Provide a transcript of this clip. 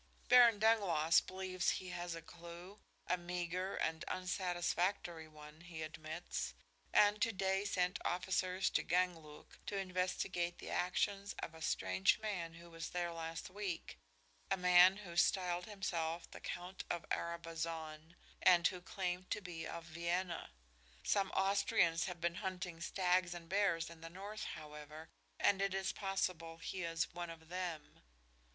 "Baron Dangloss believes he has a clue a meager and unsatisfactory one, he admits and to day sent officers to Ganlook to investigate the actions of a strange man who was there last week, a man who styled himself the Count of Arabazon, and who claimed to be of Vienna. Some Austrians had been hunting stags and bears in the north, however, and it is possible he is one of them."